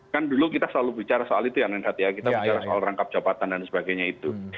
kan dulu kita selalu bicara soal itu ya renhat ya kita bicara soal rangkap jabatan dan sebagainya itu